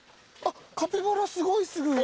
カピバラすごいすぐ。